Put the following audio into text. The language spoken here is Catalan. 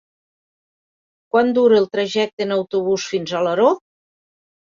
Quant dura el trajecte en autobús fins a Alaró?